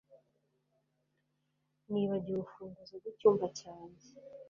Nibagiwe urufunguzo rwicyumba cyanjye